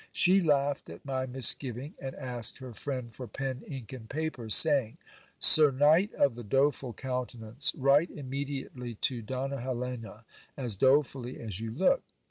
She laughed at my misgiving, and asked her friend for pen, ink, and paper, saying: Sir knight of the doleful countenance, write immediately to Donna Helena as dolefully as you look.